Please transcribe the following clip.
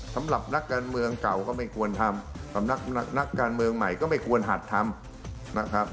สำหรับนักการเมืองเก่าก็ไม่ควรทำสำนักนักการเมืองใหม่ก็ไม่ควรหัดทำนะครับ